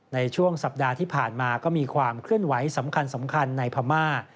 ในช่วงสัปดาห์ที่ผ่านมาก็มีความเคลื่อนไหวสำคัญในพม่า